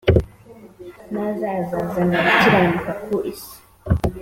naza azazana gukiranuka ku isi